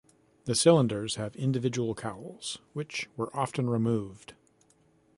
The cylinders have individual cowls, which were often removed.